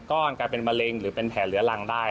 มีโอกาสมีการเป็นมาแรงหรือเป็นแผลเลื้อรังได้